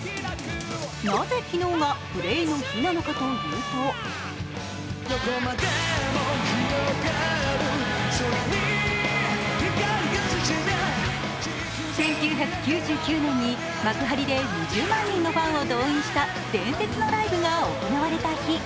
なぜ昨日がＧＬＡＹの日なのかというと１９９９年に幕張で２０万人のファンを動員した伝説のライブが行われた日。